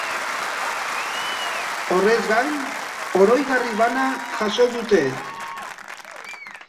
Horrez gain, oroigarri bana jaso dute.